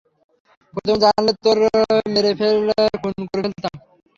প্রথমে জানলে, তোরে মেরে মেরে খুনই করে ফেলতাম।